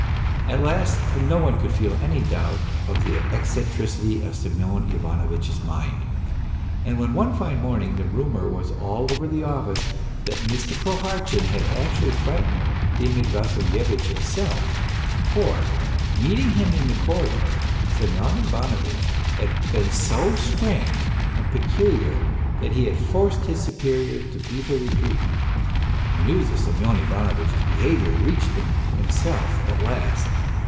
... At last no one could feel any doubt of the eccentricity of Semyon Ivanovitch's mind, when one fine morning the rumour was all over the office that Mr. Prohartchin had actually frightened Demid Vassilyevitch himself, for, meeting him in the corridor, Semyon Ivanovitch had been so strange and peculiar that he had forced his superior to beat a retreat. ... The news of Semyon Ivanovitch's behaviour reached him himself at last.